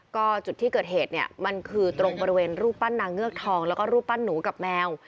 ก็จุดที่เกิดเหตุเนี่ยมันคือตรงบริเวณรูปปั้นนางเงือกทองแล้วก็รูปปั้นหนูกับแมว